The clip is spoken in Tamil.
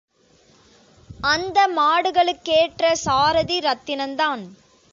அந்த மாடுகளுக்கேற்ற சாரதி ரத்தினந்தான்.